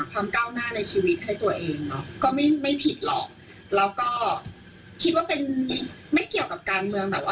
คิดว่าเป็นไม่เกี่ยวกับการเมือง